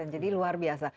jadi luar biasa